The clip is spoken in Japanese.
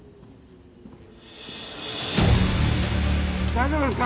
大丈夫ですか！